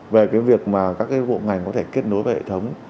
về cái việc mà các cái bộ ngành có thể kết nối với hệ thống